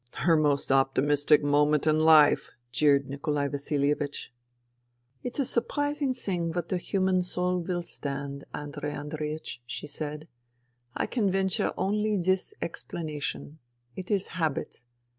" Her most optimistic moment in life !jeered Nikolai Vasilievich. " It's a surprising thing what the human soul will stand, Andrei Andreiech," she said. " I can venture only this explanation ; it is habit.